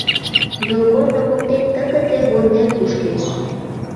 Йолгорно воктен тыгыде вондер кушкеш.